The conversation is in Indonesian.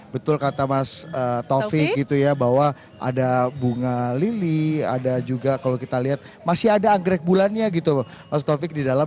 betul kata mas taufik gitu ya bahwa ada bunga lili ada juga kalau kita lihat masih ada anggrek bulannya gitu mas taufik di dalam